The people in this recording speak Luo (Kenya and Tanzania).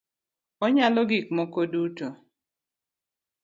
Onyalo gik moko duto